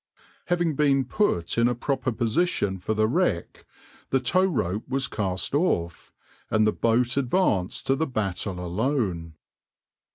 Having been put in a proper position for the wreck the tow rope was cast off, and the boat advanced to the battle alone.